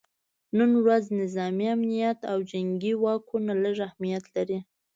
نن ورځ نظامي امنیت او جنګي واکونه لږ اهمیت لري